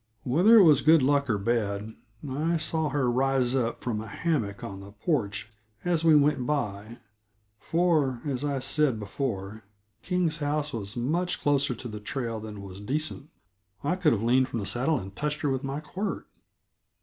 Whether it was good luck or bad, I saw her rise up from a hammock on the porch as we went by for, as I said before, King's house was much closer to the trail than was decent; I could have leaned from the saddle and touched her with my quirt.